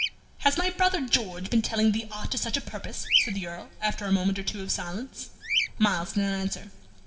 "Has my brother George been telling thee aught to such a purpose?" said the Earl, after a moment or two of silence. Myles did not answer.